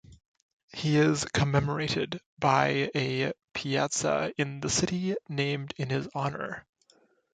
He is commemorated by a piazza in the city named in his honour.